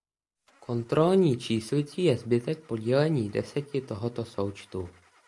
Kontrolní číslicí je zbytek po dělení deseti tohoto součtu.